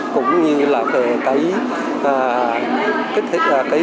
cũng như là về cái sắm sữa tết cho cái người có những cái gia đình khó khăn hơn